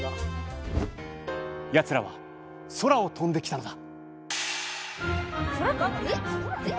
やつらは空を飛んできたのだ。